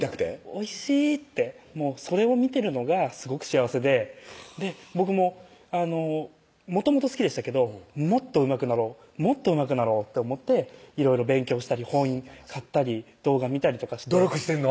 「おいしい」ってそれを見てるのがすごく幸せで僕ももともと好きでしたけどもっとうまくなろうもっとうまくなろうと思っていろいろ勉強したり本買ったり動画見たりとかして努力してんの？